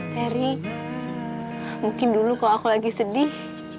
terry mungkin dulu kalau aku lagi sedih